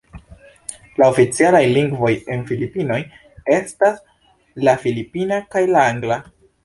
La oficialaj lingvoj en Filipinoj estas la filipina kaj la angla.